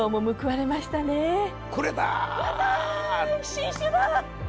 新種だ！